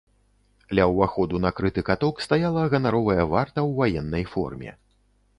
Ля ўваходу на крыты каток стаяла ганаровая варта ў ваеннай форме.